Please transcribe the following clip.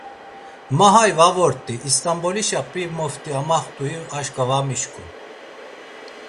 Ma hay va vort̆i, İst̆anbolişa p̌ri moft̆i amaxt̆ui aşǩva va mişǩun.